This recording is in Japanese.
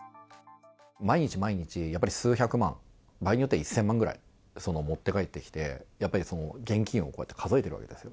毎日毎日、やっぱり数百万、場合によっては一千ぐらい持って帰ってきて、やっぱり、現金をこうやって数えていくわけですよ。